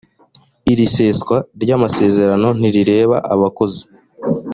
iri seswa ry amasezerano ntirireba abakozi